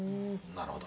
なるほど。